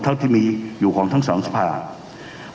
เท่าที่มีอยู่ของทั้งสองสภา